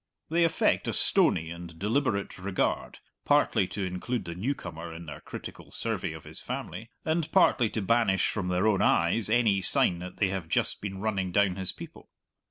They affect a stony and deliberate regard, partly to include the newcomer in their critical survey of his family, and partly to banish from their own eyes any sign that they have just been running down his people.